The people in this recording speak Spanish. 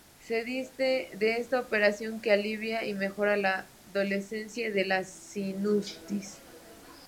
Se dice de esta operación que alivia y mejora la dolencia de la sinusitis.